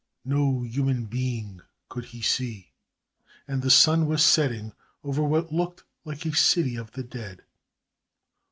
No human being could he see, and the sun was setting over what looked like a city of the dead.